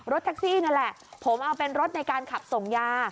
แท็กซี่นั่นแหละผมเอาเป็นรถในการขับส่งยา